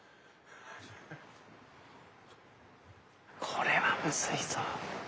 これは難いぞ。